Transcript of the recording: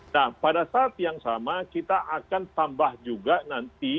nah pada saat yang sama kita akan tambah juga nanti